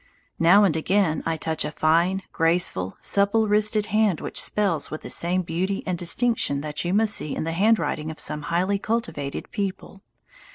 Now and again I touch a fine, graceful, supple wristed hand which spells with the same beauty and distinction that you must see in the handwriting of some highly cultivated people.